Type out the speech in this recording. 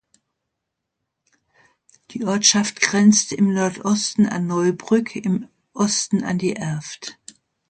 Die Ortschaft grenzt im Nordosten an Neubrück, im Osten an die Erft.